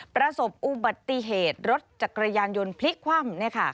ประสบอุบัติเหตุรถจักรยานยนต์พลิกคว่ำ